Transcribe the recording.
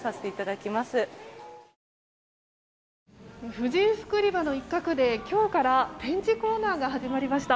婦人服売り場の一角で今日から展示コーナーが始まりました。